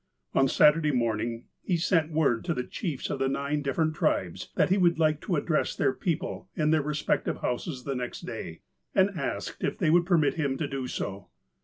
On Saturday morning, he sent word to the chiefs of the nine different tribes that he would like to address their people in their respective houses the next day, and asked if they would permit him to do so.